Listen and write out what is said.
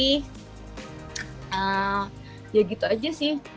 jadi udah hampir dua tahun belakangan aku udah gak pernah udah stop makan nasi putih